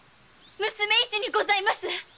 娘「いち」にございます！